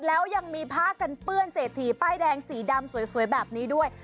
แล้วยังมีผ้ากันเปื้อนเศรษฐีป้ายแดงสีดำสวยแบบนี้ด้วย